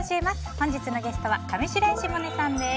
本日のゲストは上白石萌音さんです。